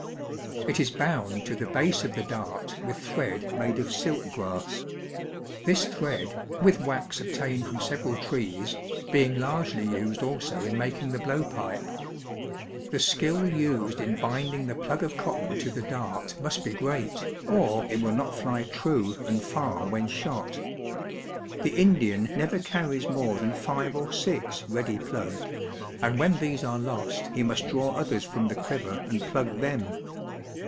It is bound to the base of the dart with thread made of silk grass ; this thread, with wax obtained from several trees, being largely used also in making the blow pipe. The skill used in binding the plug of cotton to the dart must be great, or it will not fly true and &r when shot. The Indian never carries more than five or six ready plugged ; and when these are lost he must draw others from the quiver and plug them.